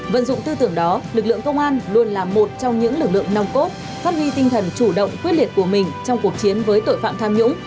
vận dụng tư tưởng đó lực lượng công an luôn là một trong những lực lượng nòng cốt phát huy tinh thần chủ động quyết liệt của mình trong cuộc chiến với tội phạm tham nhũng